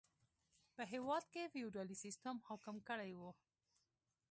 په هېواد کې فیوډالي سیستم حاکم کړی و.